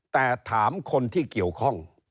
แต่ถามคนที่เกี่ยวข้อง